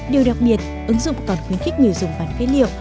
điều đặc biệt ứng dụng còn khuyến khích người dùng bán phế liệu